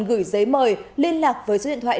gửi giấy mời liên lạc với số điện thoại